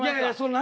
何？